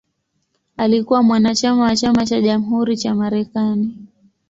Alikuwa mwanachama wa Chama cha Jamhuri cha Marekani.